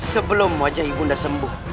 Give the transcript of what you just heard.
sebelum wajah ibu ndaku sembuh